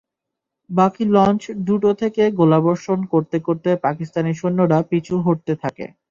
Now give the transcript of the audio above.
বাকি লঞ্চ দুটো থেকে গোলাবর্ষণ করতে করতে পাকিস্তানি সৈন্যরা পিছু হটতে থাকে।